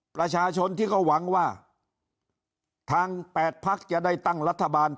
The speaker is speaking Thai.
ประชาชนที่เขาหวังว่าทาง๘พักจะได้ตั้งรัฐบาล